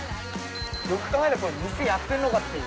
よく考えたら店やってんのかっていう。